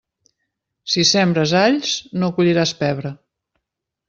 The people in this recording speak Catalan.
Si sembres alls, no colliràs pebre.